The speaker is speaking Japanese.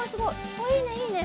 あいいねいいね。